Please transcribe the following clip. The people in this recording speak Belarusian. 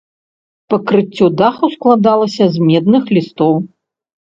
Пакрыццё даху складалася з медных лістоў.